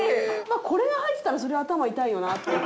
これが入ってたらそりゃ頭痛いよなっていう。